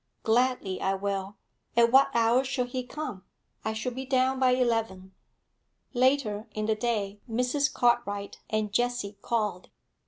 'Gladly I will. At what hour shall he come?' 'I shall be down by eleven.' Later in the day, Mrs. Cartwright and Jessie called.